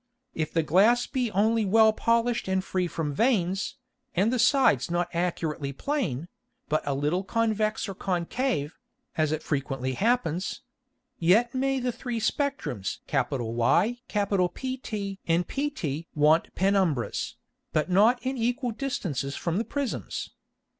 If the Glass be only well polished and free from Veins, and the Sides not accurately plane, but a little Convex or Concave, as it frequently happens; yet may the three Spectrums Y, PT and pt want Penumbras, but not in equal distances from the Prisms.